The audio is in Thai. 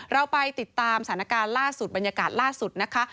เราไปติดตามสถานการณ์ล่าสุดบรรยากาศล่าสุดนะคะ